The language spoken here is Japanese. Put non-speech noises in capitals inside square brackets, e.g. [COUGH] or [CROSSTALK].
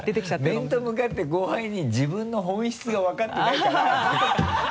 面と向かって後輩に自分の本質が分かってないからって [LAUGHS]